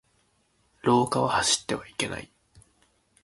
廊下は走ってはいけない。